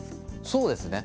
そうですね。